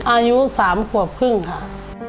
อายุ๓ขวบครึ่งค่ะ